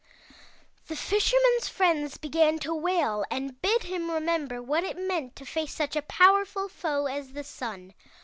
"The Fisherman's friends began to wail, and bid him remember what it meant to face such a powerful foe as the Sun.